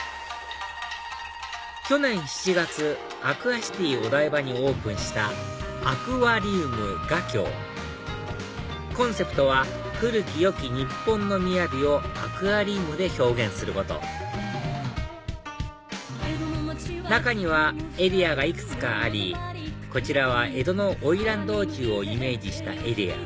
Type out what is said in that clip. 去年７月アクアシティお台場にオープンしたアク和リウムＧＡ☆ＫＹＯコンセプトは古きよき日本のみやびをアクアリウムで表現すること中にはエリアがいくつかありこちらは江戸のおいらん道中をイメージしたエリア